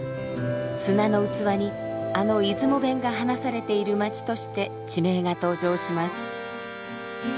「砂の器」にあの出雲弁が話されている町として地名が登場します。